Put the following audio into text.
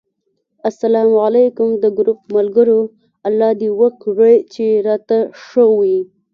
اسلام علیکم! د ګروپ ملګرو! الله دې وکړي چې راته ښه وی